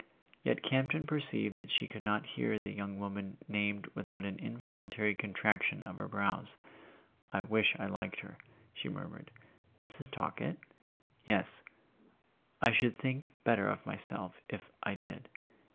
Yet Camp ton perceived that she could not hear the young woman named without an involun¬ tary contraction of her brows. "I wish I liked her!" she murmured. "Mrs. Talkett?" "Yes—I should think better of myself if I did.